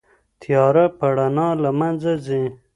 تياره په رڼا له منځه ځي.